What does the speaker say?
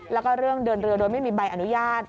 แล้วก็เรื่องเดินเรือโดยไม่มีใบอนุญาต